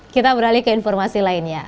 kita beralih ke informasi lainnya